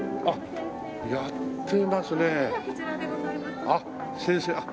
あっ先生。